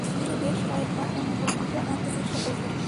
নীলু বেশ কয়েক বার অন্য প্রসঙ্গ আনতে চেষ্টা করল।